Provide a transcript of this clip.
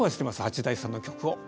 八大さんの曲を。